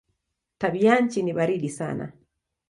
Tabianchi ni baridi sana.